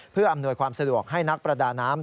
เพื่ออำนวยความสะดวกให้นักประดาน้ำ